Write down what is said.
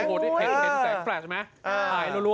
โอ้โหได้เห็นแสงแปลกใช่ไหม